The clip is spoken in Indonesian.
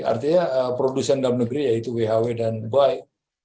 artinya produksi dalam negeri yaitu whw dan baik